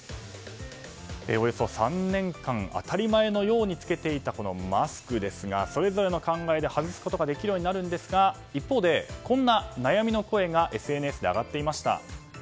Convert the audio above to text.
およそ３年間、当たり前のように着けていたマスクですがそれぞれの考えで外すことができるようになるんですが一方でこんな悩みの声がＳＮＳで上がっていました。